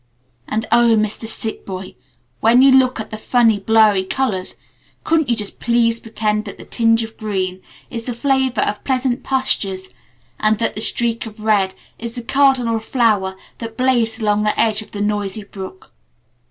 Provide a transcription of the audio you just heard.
And oh, Mr. Sick Boy, when you look at the funny, blurry colors, couldn't you just please pretend that the tinge of green is the flavor of pleasant pastures, and that the streak of red is the Cardinal Flower that blazed along the edge of the noisy brook?